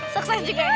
sukses juga ya